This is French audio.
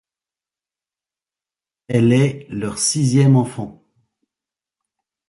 Elle est leur sixième enfant.